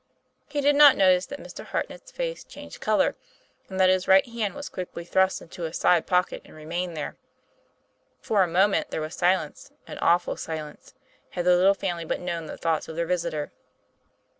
He did not notice that Mr. Hartnett's face changed color, and that his right hand was quickly thrust into his side pocket and remained there. For a moment there was silence, an awful silence had the little family but known the thoughts of their visitor!